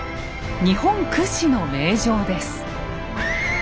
日本屈指の名城です。